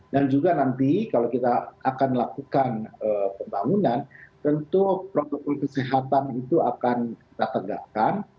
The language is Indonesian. dan juga nanti kalau kita akan melakukan pembangunan tentu protokol kesehatan itu akan kita tegakkan